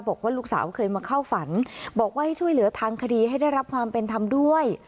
บอกว่าลูกสาวเคยมาเข้าฝันบอกว่าให้ช่วยเหลือทางคดีให้ได้รับความเป็นธรรมด้วย